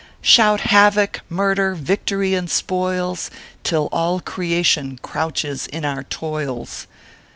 Shout havoc, murder, victory, and spoils, Till all creation crouches in our toils